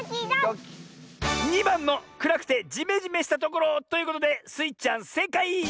２ばんのくらくてジメジメしたところということでスイちゃんせいかい！